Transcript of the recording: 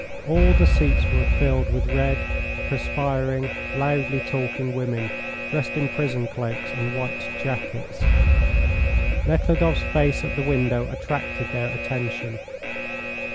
All the seats were filled with red, perspiring, loudly talking women, dressed in prison cloaks and white jackets. Nekhludoff's face at the window attracted their attention.